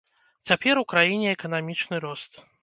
Цяпер у краіне эканамічны рост.